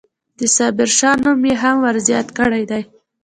د صابرشاه نوم یې هم ورزیات کړی دی.